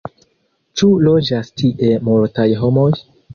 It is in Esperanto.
Ĉu loĝas tie multaj homoj?